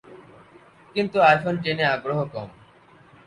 কিন্তু আইফোন টেনে আগ্রহ কম।